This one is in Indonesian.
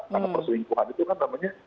karena perselingkuhan itu kan namanya